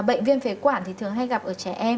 bệnh viêm phế quản thì thường hay gặp ở trẻ em